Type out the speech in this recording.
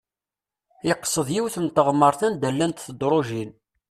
Yeqsed yiwet n teɣmert anda llant tedruǧin.